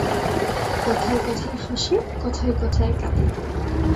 কথায়-কথায় হাসে, কথায়-কথায় কাঁদে।